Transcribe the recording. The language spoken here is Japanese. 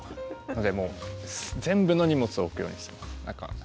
全部の荷物を置くようにしています、だから。